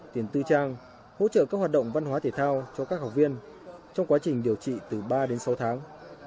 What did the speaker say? tiền tư trang hỗ trợ các hoạt động văn hóa thể thao cho các học viên trong quá trình điều trị từ ba đến sáu tháng